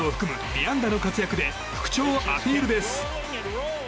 ２安打の活躍で復調をアピールです。